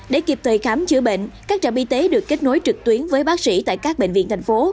để kịp thời khám chữa bệnh các trạm y tế được kết nối trực tuyến với bác sĩ tại các bệnh viện thành phố